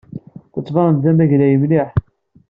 Tettbaneḍ-d d amaglay mliḥ.